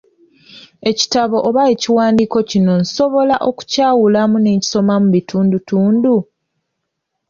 Ekitabo oba ekiwandiiko kino nsobola okukyawulamu ne nkisoma mu bitundutundu?